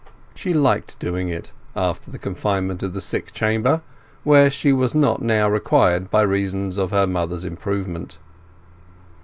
She liked doing it after the confinement of the sick chamber, where she was not now required by reason of her mother's improvement.